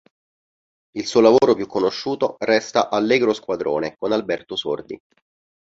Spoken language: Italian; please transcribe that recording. Il suo lavoro più conosciuto resta "Allegro squadrone", con Alberto Sordi.